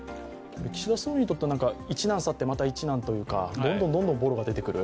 岸田総理にとっては一難去ってまた一難というかどんどんボロが出てくる。